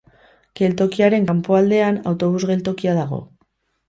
Geltokiaren kanpoaldean autobus geltokia dago.